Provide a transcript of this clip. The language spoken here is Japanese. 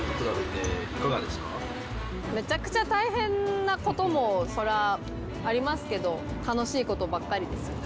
めちゃくちゃ大変なことも、それはありますけど、楽しいことばっかりです。